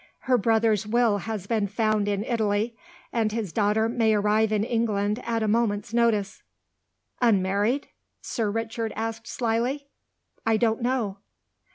Her brother's Will has been found in Italy. And his daughter may arrive in England at a moment's notice." "Unmarried?" Sir Richard asked slyly. "I don't know."